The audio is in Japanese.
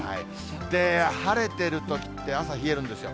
晴れてるときって、朝、冷えるんですよ。